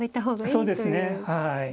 そうですねはい。